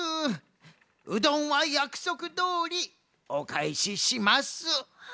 うどんはやくそくどおりおかえしします。